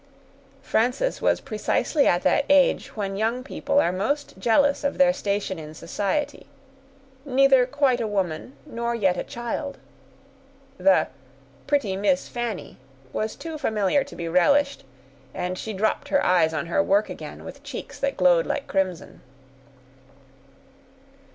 Frances was precisely at that age when young people are most jealous of their station in society; neither quite a woman, nor yet a child. The "pretty Miss Fanny" was too familiar to be relished, and she dropped her eyes on her work again with cheeks that glowed like crimson.